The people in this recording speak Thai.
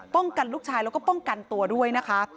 กันลูกชายแล้วก็ป้องกันตัวด้วยนะคะ